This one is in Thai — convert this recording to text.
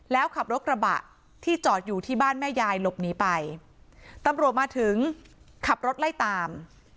แล้วขับรถกระบะที่จอดอยู่ที่บ้านแม่ยายหลบหนีไปตำรวจมาถึงขับรถไล่ตาม